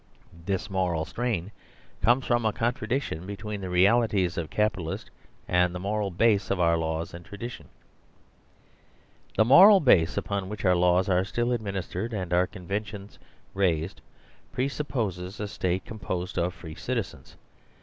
This moral strain comes from a contradiction be tween the realities of Capitalist and the moral base of our laws and traditions. The moral base upon which our laws are still ad ministered and our conventions raised presupposes a state composed of free citizens.